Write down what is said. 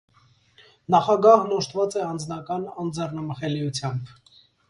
Նախագահն օժտված է անձնական անձեռնմխելիությամբ։